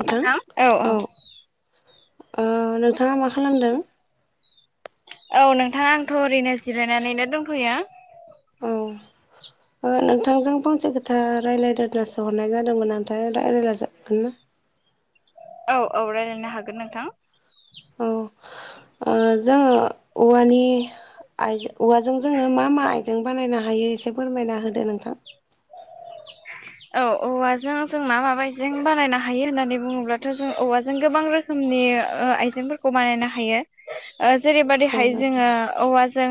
नोंथां औ ओ नोंथाङा मा खालामदों औ नोंथाङा आंथ' ओरैनो जिरायनानैनो दंथ'यो। औ नोंथांजों फांसे खथा रायज्लायदनासो हरनाय जादोंमोन नथाय राय रायज्लायजगोन [unintelligible] औ औ रायज्लायनो हागोन नोंथां। औ ओ जोङो औवानि औवाजों जोङो मा मा आइ जों बानायनो हायो एसे फोरमायना होदो नोंथां। [inaudible] औ औवाजों जोंना माबाजों बानायनो हायो होननानै बुङोब्लाथ' जों औवाजों गोबां रो नि आइजेंफोरखौ बानायनो हायो औ जेरैबाददिहाय नोंथां जोङो औवा जों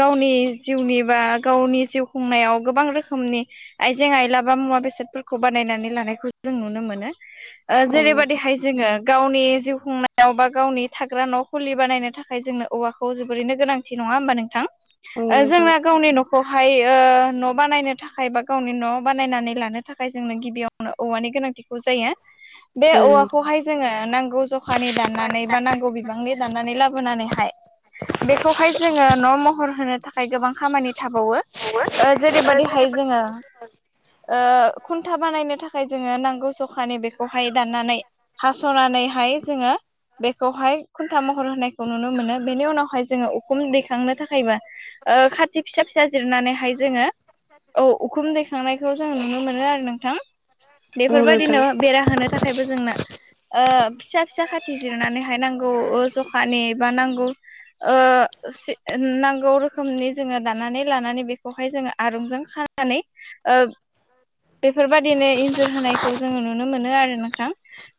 गावनि जिउनि बा गावनि जिउ खुंनायाव गोबां रोखोमनि आइजें आइलाबा मुवा बेसादफोरखौ बानायनानै लानायखौ जों नुनो मोनो। ओ औ जेरैबायदिहाय जोङो गावनि जिउ खुंनायाव बा गावनि थाग्रा न' फुलि बानायनो थाखाय जोंनो औवाखौ जोबोरैनो गोनांथि नङा होमबा नोंथां? औ ओ नोंथां जोंना गावनि न'खौहाय ओ न' बानायनो थाखाय बा गावनि न' बानायनानै लानो थाखाय थाखाय जोंनो गिबियावनो औवानि गोनांथिखौ जायो। बे औ नोंथां औवाखौहाय जोङो नांगौ जखानि दाननानै बा नांगौ बिबांनि दाननानै लाबोनानैहाय बेखौहाय जोङो न' महर होनो थाखाय गोबां खामानि थाबावो। जेरैबायदिहाय जोङो ओ खुन्था बानायनो थाखाय जोङो नांगौ सखानि बेखौहाय दाननानै हास'नानैहाय जोङो बेखौहाय खुन्था महर होनायखौ नुनो मोनो बेनि उनावहाय जोङो उखुम दैखांनो थाखायबो ओ खाथि फिसा फिसा जिरनानैहाय जोङो औ उखुम दैखांनायखौ जोङो नुनो मोनो आरो। नोंथां औ नोंथां बेफोरबायदिनो बेरा होनो थाखायबो जोंनो ओ फिसा फिसा खाथि जिरनानैहाय नांगौ जखानि बा नांगौ ओ नांगौ रोखोमनि जोङो दानानै लानानै बेखौहाय जोङो आरंजों खानानै ओ बेफोरबायदिनो इन्जुर होनायखौ जोङो नुनो मोनो आरो नोंथां।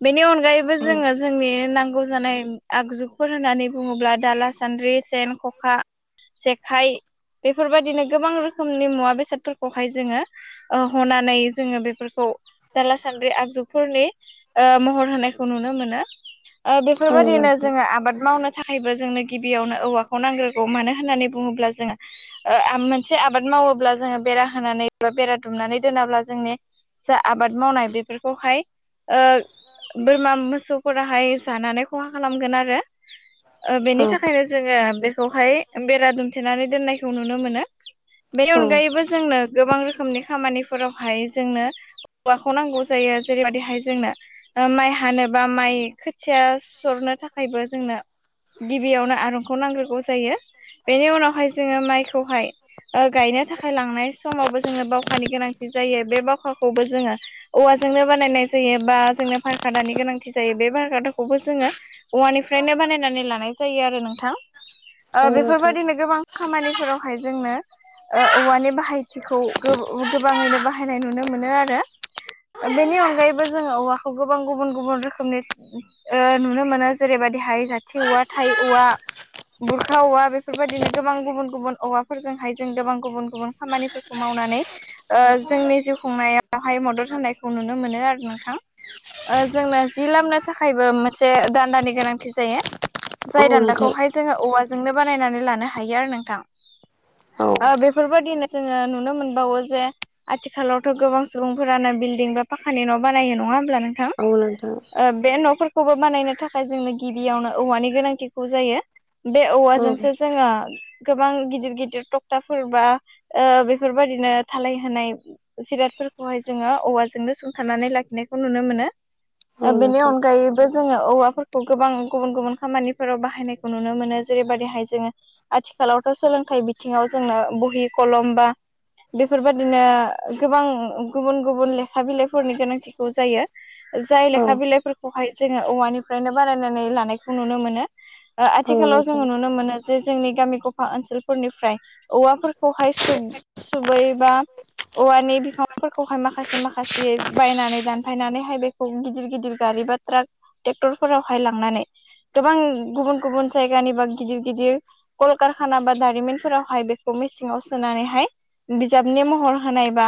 बेनि अनगायैबो औ जोङो जोंनि नांगौ जानाय आगजुफोर होननानै बुङोब्ला दाला सान्द्रि सेन खखा जेखाइ बेफोरबायदिनो गोबां रोखोमनि मुवा बेसादफोरखौहाय जोङो ओ हनानै जोङो बेफोरखौ दाला सान्द्रि आगजुफोरनि ओ महर होनायखौ नुनो मोनो औ बेफोरबायदिनो नोंथां जोङो आबाद मावनो थाखायबो जोंनो गिबियावनो औवाखौ नांग्रोगौ मानो होननानै बुङोब्ला जोङो ओ मोनसे आबाद मावोब्ला जोङो बेरा होनानै बा बेरा दुमनानै दोनाब्ला जोंनि जा आबाद मावनाय बेफोरखौहाय ओ बोरमा मोसौफोराहाय जानानै खहा खालामगोन आरो बेनि औ थाखायनो जोङो बेखौहाय बेरा दुमथेनानै दोननायखौ नुनो मोनो। बे औ अनगायैबो जोंनो गोबां रोखोमनि खामानिफोरावहाय जोंनो हौवाखौ नांगौ जायो जेरैबायदिहाय जोंनो माइ हानोबा माइ खोथिया सरनो थाखायबो जोंनो गिबियावनो आरंखौ नांग्रोगौ जायो। बेनि उनावहाय जोङो माइखौहाय गायनो थाखाय लांनाय समावबो जोंनो बावखानि गोनांथि जायो बे बावखाखौबो जोङो औवाजोंनो बानायनाय जायो बा जोंनो भार खादानि गोनांथि जायो बे भार खादाखौबो जोङो औवानिफ्रायनो बानायनानै लानाय जायो आरो नोंथां औ नोंथां बेफोरबायदिनो गोबां खामानिफोरावहाय जोंनो ओ औवानि बाहायथिखौ गोबाङैनो बाहायनाय नुनो मोनो आरो। बेनि अनगायैबो जोङो औवाखौ गोबां गुबुन गुबुन रोखोमनि ओ नुनो मोनो जेरैबायदिहाय जाथि औवा थाइ औवा। बुरखा औवा बेफोरबायदिनो गोबां गुबुन गुबुन औवाफोरजोंहाय जों गोबां गुबुन गुबुन खामानिफोरखौ मावनानै ओ जोंनि जिउ खुंनायावहाय मदद होनायखौ नुनो मोनो आरो नोंथां। जोंनो जि लामनो थाखायबो मोनसे दान्दानि गोनांथि जायो। औ जाय नोंथां दान्दाखौहाय जोङो औवाजोंनो बानायनानै लानो हायो आरो नोंथां। औ बेफोरबायदिनो जोङो नुनो मोनबावो जे आथिखालावथ' गोबां सुबुंफोरानो बिल्डिं बा फाखानि न' बानायो नङा होमब्ला नोंथां? औ नोंथां। बे न'फोरखौबो बानायनो थाखाय जोंनो गिबियावनो औवानि गोनांथिखौ जायो। बे औवाजोंसो जोङो। गोबां गिदिर गिदिर क्टाफोरबा बेफोरबायदिनो थालाय होनाय जिरादफोरखौहाय जोङो औवाजोंनो सुंथानानै लाखिनायखौ नुनो मोनो। बेनिअनगायै जोङो औवाफोरखौ गोबां गुबुन गुबुन खामानिफोराव बाहायनायखौ नुनो मोनो जेरैबायदिहाय जोङो आथिखालावथ' सोलोंथाइ बिथिङाव जोंनो बहि कलम बा बेफोरबायदि बिदिनो गोबां गुबुन गुबुन लेखा बिलाइफोरनि गोनांथिखौ जायो। जाय लेखा बिलाइफोरखौहाय जोङो औवानिफ्रायनो बानायनानै लानायखौ नुनो मोनो। औ नोंथां औ आथिखालाव नोंथां जोङो नुनो मोनो जे जोंनि गामि गफा ओनसोलफोरनिफ्राय औवा। हाय सुबैबा औवानि बिफांफोरखौहाय माखासे माखासे बायनानै दानफायनानैहाय बेखौ गिदिर गिदिर गारि बा ट्राक ट्रेक्टरफोरावहाय लांनानै गोबां गुबुन गुबुन जायगानिबा गिदिर गिदिर कलकारखाना बा दारिमिनफोरावहाय बेखौ मेसेङाव सोनानैहाय बिजाबनि मुं महर होनायबा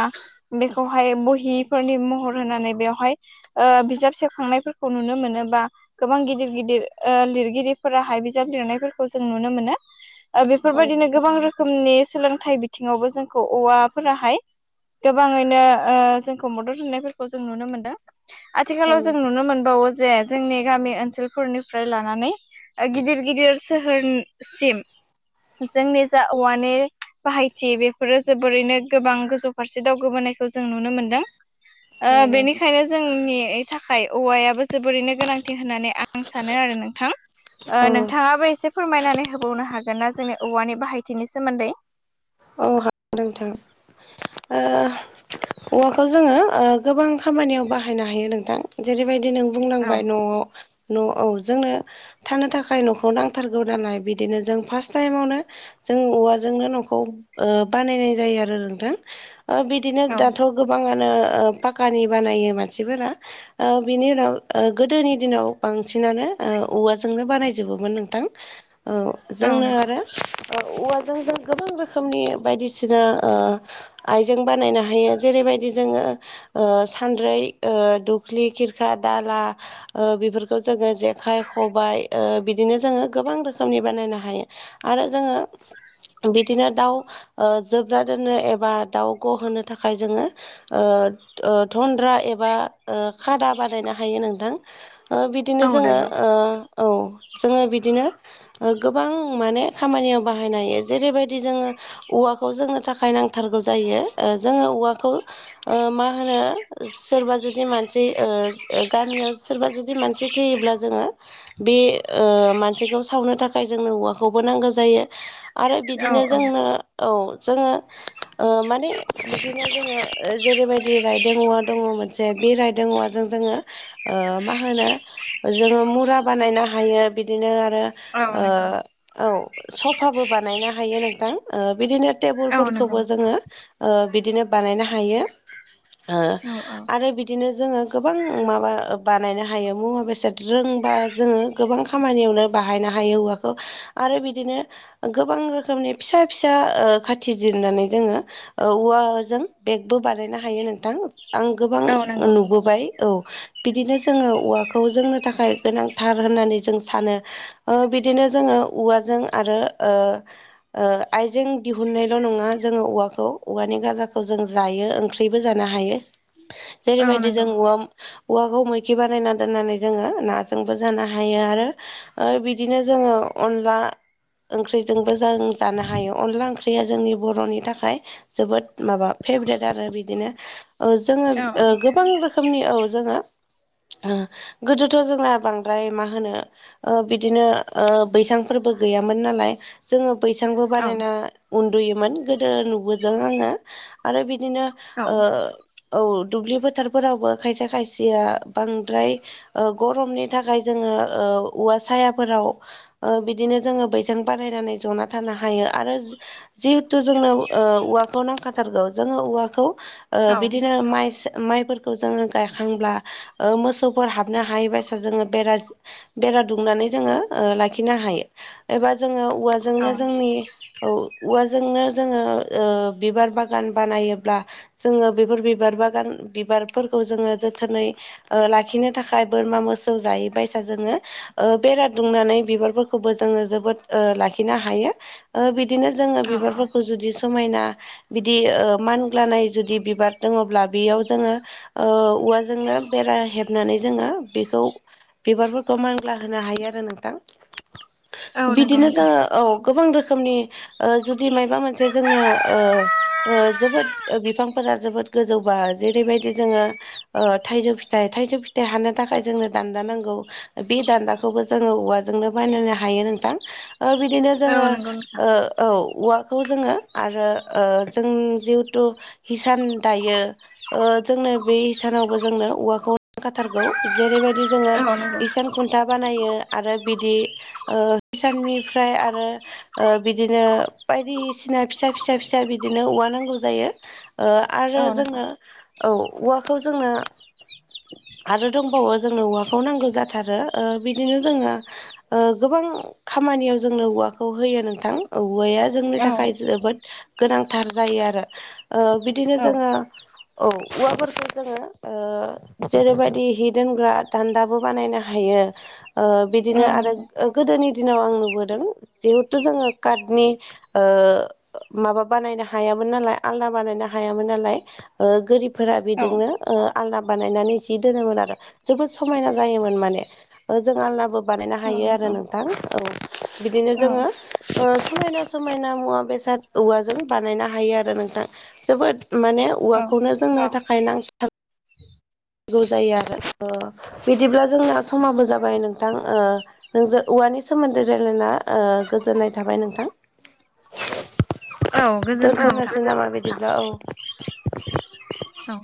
बेखौहाय बहिफोरनि महर होनानै बेवहाय बिजाब सेबखांनायफोरखौ नुनो मोनोबा गोबां गिदिर गिदिर लिरगिरिफोरा हाय बिजाब लिरनायफोरखौ जों नुनो मोनो। औ बेफोरबायदिनो नोंथां औ गोबां रोखोमनि सोलोंथाइ बिथिङावबो जोंखौ औवा फोराहाय गोबाङैनो जोंखौ मदद होनायफोरखौ जों नुनो मोनदों। आथिखालाव जों नोंथां नुनो मोनबावो जे जोंनि गामि ओनसोलफोरनिफ्राय लानानै गिदिर गिदिर सोहोरसिम। जोंनि जा औवानि बाहायथि बेफोरो जोबोरैनो गोबां गोजौ फारसे दावगोबोनायखौ जों नुनो मोनदों। औ नोंथां बेनिखायनो जोंनि थाखाय औवायाबो जोबोरैनो गोनांथि होननानै आं आं सानो आरो नोंथां। औ नोंथाङाबो एसे फोरमायनानै होबावनो हागोन ना? जोंनि औवानि बाहायथिनि सोमोन्दै। औ हागोन नोंथां। औवाखौ जोङो गोबां खामानियाव बाहायनो हायो नोंथां। जेरैबायदि नों औ बुंलांबाय न'आव न'आव जोंनो थानो थाखाय न'खौ नांथारगौ नालाय बिदिनो जों फार्स्ट टाइमावनो जों औवाजोंनो न'खौ बानायनाय जायो आरो नोंथां बिदिनो औ दाथ' गोबाङानो पाखानि बानायो मानसिफोरा बिनि उनाव गोदोनि दिनाव बांसिनानो औवाजोंनो बानायजोबोमोन नोंथां। औ जोंनो नंगौ आरो औवाजों जों गोबां रोखोमनि। बायदिसिना आइजें बानायनो हायो जेरैबायदि जोङो। सानद्रै दुबख्लि खिरखा दाला बेफोरखौ जोङो जेखाइ खबाय बिदिनो जोङो गोबां रोखोमनि बानायनो हायो। आरो जोङो बिदिनो दाउ ओ जोबना दोननो एबा दाउग' होनोनो थाखाय जोङो ओ थन्द्रा एबा खादा बादायनो हायो नोंथां। बिदिनो औ जोङो नंगौ औ जोङो बिदिनो गोबां माने खामानियाव बाहायनो हायो जेरैबायदि जोङो औवाखौ जोंनो थाखाय नांथारगौ जायो जोङो औवाखौ मा होनो सोरबा जुदि मानसि गामियाव सोरबा जुदि मानसि थैयोब्ला जोङो बे मानसिखौ सावनो थाखाय जोंनो औवाखौबो नांगौ जायो। आरो औ बिदिनो औ जोंनो औ जोङो ओ माने बिदिनो जोङो जेरैबायदि रायदों औवा दङ जे बे रायदों औवाजों जोङो ओ मा होनो जोङो मुरा बानायनो हायो बिदिनो आरो औ नंगौ ओ औ स फाबो बानायनो हायो नोंथां ओ बिदिनो औ नंगौ टेबोलफोरखौबो जोङो। ओ बिदिनो बानायनो हायो ओ औ आरो बि बिदिनो जोङो गोबां माबा बानायनो हायो मुवा बेसाद रोंबा जोङो गोबां खामानियावनो बाहायनो हायो औवाखौ आरो बिदिनो गोबां रोखोमनि फिसा फिसा ओ खाथि जिरनानै जोङो औवाजों बेगबो बानायनो हायो नोंथां आं गोबां औ नंगौ नुबो बाय औ बिदिनो जोङो औवाखौ जोंनो थाखाय गोनांथार होननानै जों सानो बिदिनो जोङो औवाजों आरो ओ ओ आइजें दिहुननायल' नङा जोङो औवाखौ औवानि गाजाखौ जों जायो ओंख्रिबो जानो हायो औ जेरैबायदि जों नंगौ औवा औवाखौ मैखि बानायना दोननानै जोङो नाजोंबो जानो हायो आरो बिदिनो जोङो अनला ओंख्रिजोंबो जों जानो हायो अनला ओंख्रिया जोंनि बर'नि थाखाय जोबोद माबा फेभरेट आरो बिदिनो ओ जोङो औ गोबां रोखोमनि औ जोङो ओ गोदोथ' जोंना बांद्राय मा होनो ओ बिदिनो ओ बैसांफोरबो गैयामोन नालाय जोङो बैसांबो। औ बानायना उन्दुयोमोन गोदो नुबोदों आङो आरो बिदिनो ओ औ दुब्लि फोथारफोरावबो खायसे खायसेया बांद्राय ओ गरमनि थाखाय जोङो ओ औवा सायाफोराव बिदिनो जोङो बैजों बारायनानै जना थानो हा हायो आरो जिहेथु जोंनो औवाखौ नांखाथारगौ जोङो औवाखौ। ओ बिदिनो माइ माइफोरखौ जोङो गायखांब्ला मोसौफोर हाबनो हायै बसा जोङो बेरा बेरा दुंनानै जोङो ओ लाखिनो हायो एबा जोङो औ औवाजोंनो जोंनि औवाजोंनो जोङो ओ बिबार बागान बानायोब्ला जोङो बेफोर बिबार बागान बिबारफोरखौ जोङो जोथोनै ओ लाखिनो थाखाय बोरमा मोसौ जायै बायसा जोङो ओ बेरा दुंनानै बिबारफोरखौबो जोङो जोबोद लाखिनो हायो बिदिनो जोङो औ बिबारफोरखौ जुदि समायना बिदि मान लानाय जुदि बिबार दङब्ला बेयाव जोङो ओ औवाजोंनो बेरा हेबनानै जोङो बेखौ बिबारफोरखौ मानला होनो हायो आरो नोंथां औ नंगौ बिदिनो नोंथां जोङो औ गोबां रोखोमनि ओ जुदि माबा मोनसे जोंनो ओ ओ जोबोद बिफांफोरा जोबोद गोजौबा जेरैबायदि जोङो ओ थाइजौ फिथाइ थाइजौ फिथाइ हानो थाखाय जोंनो दान्दा नांगौ बे दान्दाखौबो जोङो औवाजोंनो बानायनो हायो नोंथां ओ बिदिनो औ जोङो नंगौ नोंथां ओ औ औवाखौ जोङो आरो ओ जों जिहेथु हिसान दायो ओ जोंनो बे सानावबो जोंनो औवाखौ नांखाथारगौ जेरैबायदि जोङो औ नंगौ इसान खुनथा बानायो आरो बिदि हिसाननिफ्राय आरो ओ बिदिनो बायदिसिना फिसा फिसा फिसा बिदिनो औवा नांगौ जायो आरो औ नंगौ जोंनो औ औवाखौ लं-लंजोंनो आरो दंबावो जोंनो औवाखौ नांगौ जाथारो बिदिनो जोङो ओ गोबां खामानियाव जोंनो औवाखौ होयो नोंथां औवाया जोंनि औ थाखाय जोबोद गोनांथार जायो आरो बिदिनो औ जोङो औ औवाफोरखौ जोङो जेरैबायदि हि दोनग्रा दान्दाबो बानायनो हायो बिदिनो औ आरो नंगौ गोदोनि दिनाव आं नुबोदों जिहेथु जोङो काटनि ओ माबा बानायनो हायामोन नालाय आलना बानायनो हायामोन नालाय गोरिबफोरा औ बेजोंनो आलना बानायनानै सि दोनोमोन आरो जोबोद समायना जायोमोन माने जों आलनाबो बानायनो औ हायो आरो नंगौ नोंथां औ बिदिनो औ जोङो समायना समायना मुवा बेसाद औवाजों बानायनो हायो आरो नोंथां जोबोद माने औ औवाखौनो जोंनो थाखाय नांगौ नांगौ जायो आरो बिदिब्ला जोंना समाबो जाबाय नोंथां नोंजों औवानि सोमोन्दै रायज्लायना गोजोननाय थाबाय नोंथां औ गोजोन्थों नोंथां दोनथांनोसै नामा बिदिब्ला औ [unintelligible] औ